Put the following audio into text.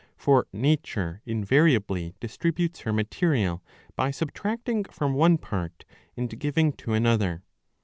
* For nature invariably distributes her material, by subtracting from one part and giving to another.